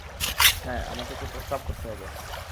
হ্যাঁ - আমাকে একটু প্রসাব করতে হবে।